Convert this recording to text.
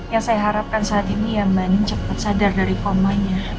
yang saya harapkan saat ini ya bu anding cepat sadar dari komanya